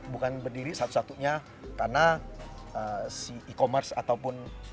bukan berdiri satu satunya karena si e commerce ataupun